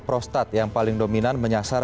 prostat yang paling dominan menyasar